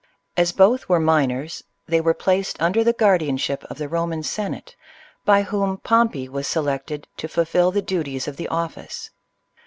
As both were minors, they were placed under the guardianship of the Roman Senate, by whom Pompey was selected to fulfil the duties of the office.